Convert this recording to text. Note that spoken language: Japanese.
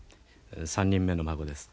３人目の孫です。